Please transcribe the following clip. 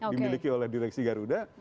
dimiliki oleh direksi garuda